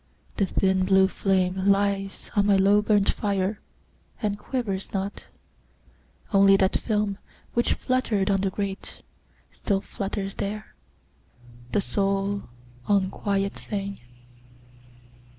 the thin blue flame Lies on my low burnt fire, and quivers not; Only that film, which fluttered on the grate, Still flutters there, the sole unquiet thing.